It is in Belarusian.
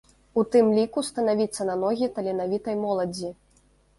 У тым ліку станавіцца на ногі таленавітай моладзі.